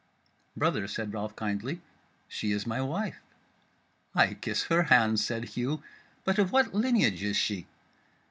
"Brother," said Ralph kindly, "she is my wife." "I kiss her hands," said Hugh; "but of what lineage is she?"